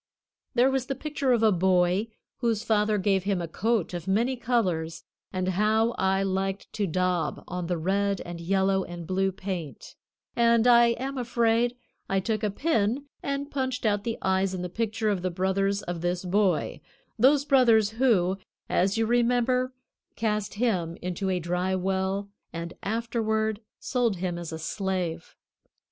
There was the picture of a boy whose father gave him a coat of many colors, and how I liked to daub on the red and yellow and blue paint, and I am afraid I took a pin and punched out the eyes in the pictures of the brothers of this boy those brothers who, as you remember, cast him into a dry well and afterward sold him as a slave.